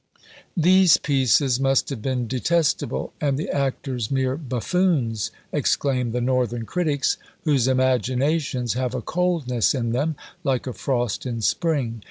"These pieces must have been detestable, and the actors mere buffoons," exclaim the northern critics, whose imaginations have a coldness in them, like a frost in spring.